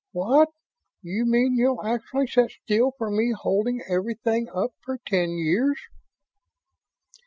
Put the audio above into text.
"What? You mean you'll actually sit still for me holding everything up for ten years?"